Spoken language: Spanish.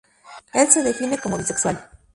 El se define como bisexual.